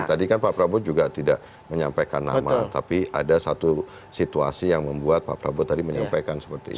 tadi kan pak prabowo juga tidak menyampaikan nama tapi ada satu situasi yang membuat pak prabowo tadi menyampaikan seperti itu